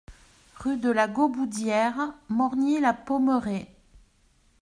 Rue de la Gauboudiere, Morgny-la-Pommeraye